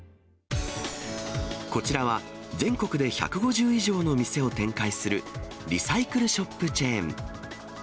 こちらは全国で１５０以上の店を展開するリサイクルショップチェーン。